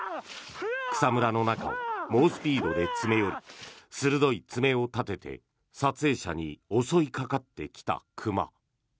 草むらの中を猛スピードで詰め寄り鋭い爪を立てて撮影者に襲いかかってきた熊。